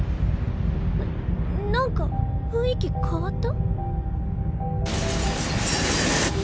な何か雰囲気変わった？